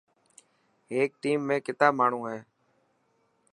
هيڪ ٽيم ۾ ڪتا ماڻهو هي.